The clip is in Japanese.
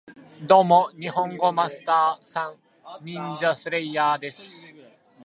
ドーモ、ニホンゴマスター＝サン！ニンジャスレイヤーです